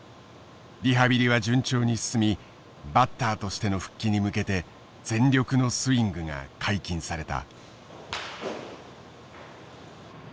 リハビリは順調に進みバッターとしての復帰に向けて全力のスイングが解禁された。